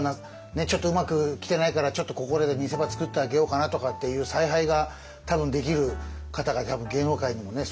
ちょっとうまく来てないからちょっとここらで見せ場作ってあげようかなとかっていう采配が多分できる方が芸能界にもねそういう先輩方いっぱいいるんで。